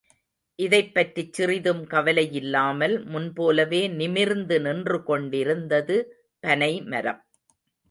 இதைப்பற்றிச் சிறிதும் கவலையில்லாமல் முன் போலவே நிமிர்ந்து நின்றுகொண்டிருந்தது பனைமரம்.